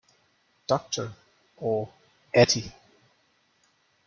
"Dr." or "Atty.